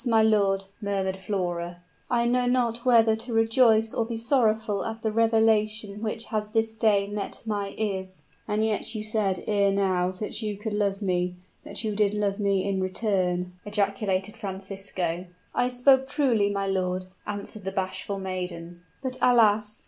my lord," murmured Flora, "I know not whether to rejoice or be sorrowful at the revelation which has this day met my ears." "And yet you said ere now that you could love me, that you did love me in return," ejaculated Francisco. "I spoke truly, my lord," answered the bashful maiden; "but, alas!